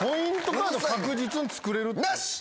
カード確実に作れる。なし！